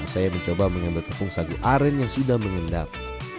saya mencoba mengambil tepung sagu aren yang sudah mengendap